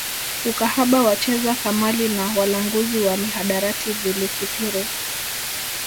Ukahaba wacheza kamali na walanguzi wa mihadarati vilikithiri